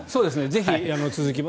ぜひ続きも。